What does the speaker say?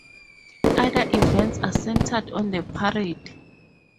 Other events are centred on the parade.